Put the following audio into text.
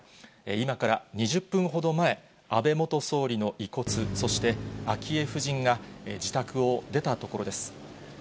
今から２０分ほど前、安倍元総理の遺骨、そして昭恵夫人が、自宅を出たところです。